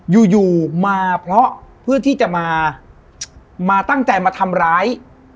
อยู่อยู่มาเพราะเพื่อที่จะมามาตั้งใจมาทำร้าย